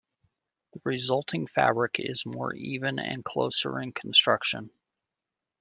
The resulting fabric is more even and closer in construction.